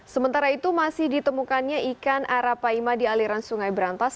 sementara itu masih ditemukannya ikan arapaima di aliran sungai berantas